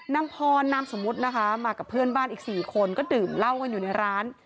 นางพรนามสมมุตินะคะมากับเพื่อนบ้านอีก๔คนก็ดื่มเหล้ากันอยู่ในร้าน